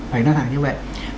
phải nói thẳng như vậy